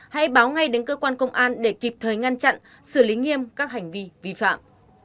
hãy báo ngay đến cơ quan công an để kịp thời ngăn chặn xử lý nghiêm các hành vi vi phạm